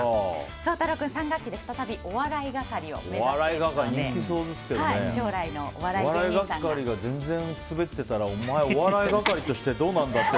そうたろう君３学期で再びお笑い係をお笑い係がスベってたらお前、お笑い係としてどうなんだって。